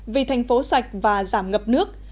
vì thành phố sạch và giảm ngập nước